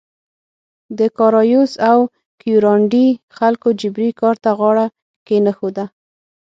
د کارایوس او کیورانډي خلکو جبري کار ته غاړه کې نه ایښوده.